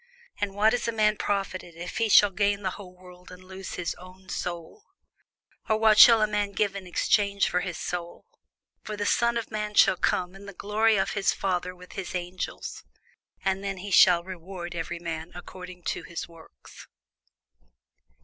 For what is a man profited, if he shall gain the whole world, and lose his own soul? or what shall a man give in exchange for his soul? For the Son of man shall come in the glory of his Father with his angels; and then he shall reward every man according to his works.